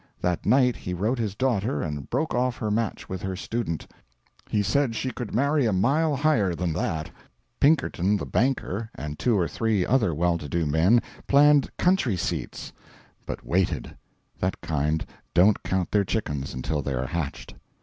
That night he wrote his daughter and broke off her match with her student. He said she could marry a mile higher than that. Pinkerton the banker and two or three other well to do men planned country seats but waited. That kind don't count their chickens until they are hatched.